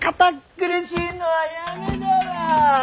苦しいのはやめだわ！